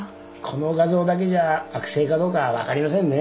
この画像だけじゃ悪性かどうか分かりませんね。